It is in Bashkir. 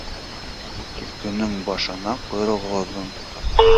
Төлкөнөң башынан ҡойроғо оҙон.